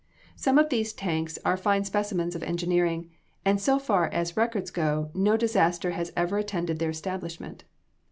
Some of these tanks are fine specimens of engineering, and so far as records go, no disaster has ever attended their establishment.